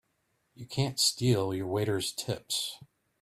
You can't steal your waiters' tips!